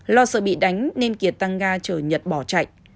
lo sợ bị đánh nên kiệt tăng ga chở nhật bỏ chạy